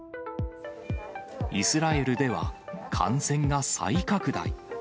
イスラエルでは、感染が再拡大。